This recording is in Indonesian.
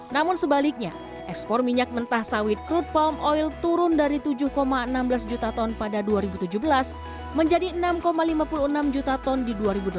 namun sebaliknya ekspor minyak mentah sawit crude palm oil turun dari tujuh enam belas juta ton pada dua ribu tujuh belas menjadi enam lima puluh enam juta ton di dua ribu delapan belas